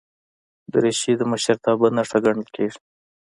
دریشي د مشرتابه نښه ګڼل کېږي.